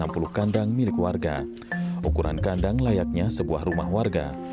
di kampung ini enam puluh kandang milik warga ukuran kandang layaknya sebuah rumah warga